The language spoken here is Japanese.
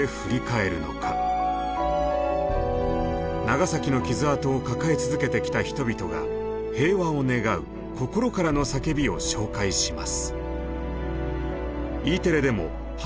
ナガサキの傷跡を抱え続けてきた人々が平和を願う心からの叫びを紹介します。